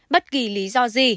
bất kỳ lý do gì